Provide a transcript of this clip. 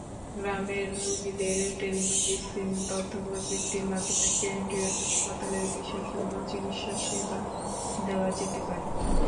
গ্রামের রোগীদের টেলিমেডিসিন তথ্যপ্রযুক্তির মাধ্যমে কেন্দ্রীয় হাসপাতালের বিশেষজ্ঞ চিকিৎসাসেবা দেওয়া যেতে পারে।